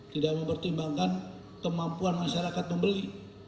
tidak mempertimbangkan kemampuan masyarakat membeli